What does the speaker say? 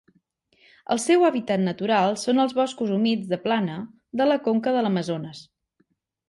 El seu hàbitat natural són els boscos humits de plana de la conca de l'Amazones.